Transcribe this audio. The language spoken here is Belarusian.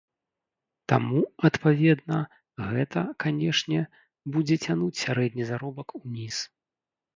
Таму, адпаведна, гэта, канечне, будзе цягнуць сярэдні заробак уніз.